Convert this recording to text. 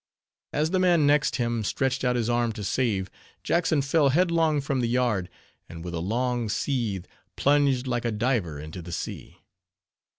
As the man next him stretched out his arm to save, Jackson fell headlong from the yard, and with a long seethe, plunged like a diver into the sea.